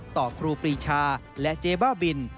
ต่อครูปรีชาและเจบ่าบิล